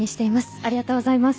ありがとうございます。